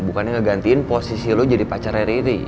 bukannya ngegantiin posisi lo jadi pacarnya riri